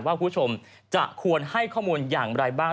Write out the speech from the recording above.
คุณผู้ชมจะควรให้ข้อมูลอย่างไรบ้าง